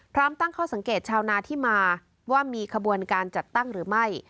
ตั้งข้อสังเกตชาวนาที่มาว่ามีขบวนการจัดตั้งหรือไม่